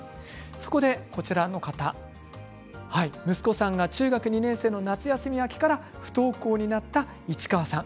そこで息子さんが中学２年生の夏休み明けから不登校になった市川さん。